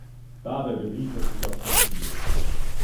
Dabei berief er sich auf die Bibel.